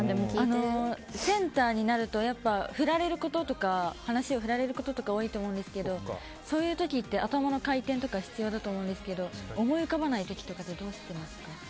センターになると話を振られることとか多いと思うんですけどそういう時って頭の回転とか必要だと思うんですけど思い浮かばない時とかってどうしてますか？